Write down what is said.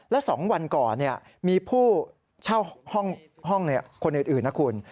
และ๒วันก่อนมีผู้เช่าห้องคนอื่นนะคุณ